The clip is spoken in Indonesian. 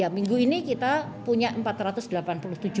minggu ini kita punya empat ratus delapan puluh delapan